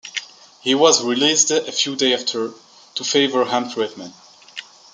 He was released a few days after to favor home treatment.